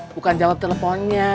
bukan jawab teleponnya